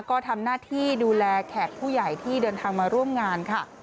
ก็ทำหน้าที่ดูแลแขกผู้ใหญ่ที่เดินทางมาร่วมงานค่ะ